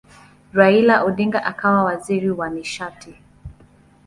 Raila Odinga akawa waziri wa nishati.